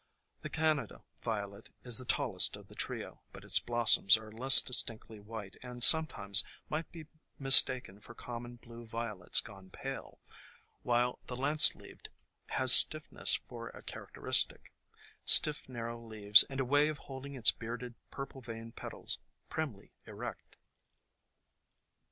The Canada Violet is the tallest of the trio, but its blossoms are less distinctly white and sometimes might be mis taken for common Blue Violets gone pale, while the Lance leaved has stiffness for a characteristic; stiff, narrow leaves and a way of holding its bearded purple veined petals primly erect.